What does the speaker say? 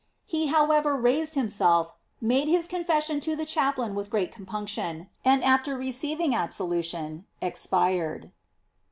He however raided himself, made his confession to the chaplain with great com punction, and after receiving absolution, expired.